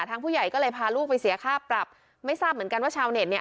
ผู้ใหญ่ก็เลยพาลูกไปเสียค่าปรับไม่ทราบเหมือนกันว่าชาวเน็ตเนี่ย